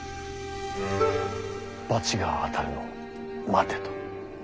罰が当たるのを待てと。